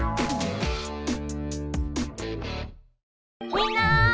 みんな！